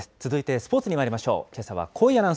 続いて、スポーツにまいりましょう。